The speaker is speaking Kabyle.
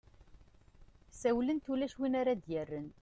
ssawlent ula win ara ad-yerren